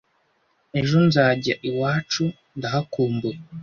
Ejo nzajya iwacu ndahakumbuye